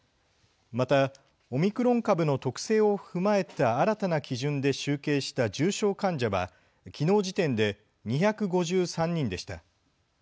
またオミクロン株の特性を踏まえた新たな基準で集計した重症患者はきのう時点で２５３人でした。